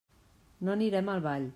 No anirem al ball.